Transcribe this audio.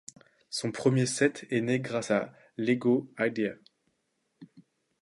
Son premier set est né grâce à Lego Ideas.